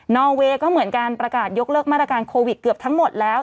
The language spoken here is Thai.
อเวย์ก็เหมือนการประกาศยกเลิกมาตรการโควิดเกือบทั้งหมดแล้ว